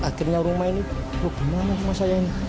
akhirnya rumah ini loh gimana masanya